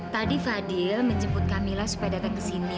tadi fadil menjemput kamilah supaya datang ke sini